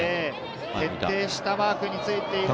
徹底したマークについている。